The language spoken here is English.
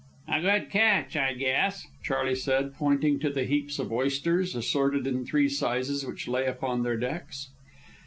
"A good catch, I guess," Charley said, pointing to the heaps of oysters, assorted in three sizes, which lay upon their decks.